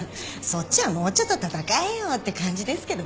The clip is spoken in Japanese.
そっちはもうちょっと闘えよって感じですけどね。